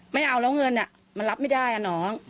ไม่เอาแล้วเงินมันรับไม่ได้อ่ะน้อง